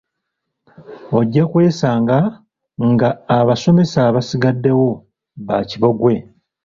Ojja kwesanga ng'abasomesa abasigaddewo ba kiboggwe.